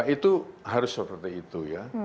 itu harus seperti itu ya